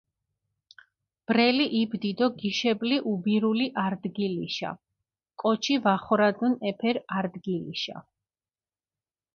ბრელი იბდი დო გიშებლი უბირული არდგილიშა, კოჩი ვახორანდჷნ ეფერ არდგილიშა.